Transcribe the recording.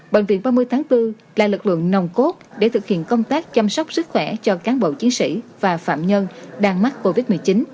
bệnh viện ba mươi tháng bốn là lực lượng nồng cốt để thực hiện công tác chăm sóc sức khỏe cho cán bộ chiến sĩ và phạm nhân đang mắc covid một mươi chín